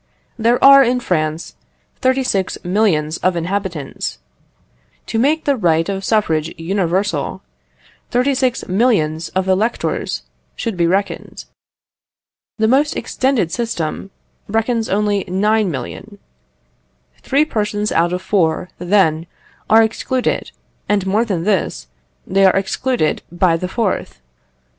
There are, in France, 36,000,000 of inhabitants. To make the right of suffrage universal, 36,000,000 of electors should be reckoned. The most extended system reckons only 9,000,000. Three persons out of four, then, are excluded; and more than this, they are excluded by the fourth.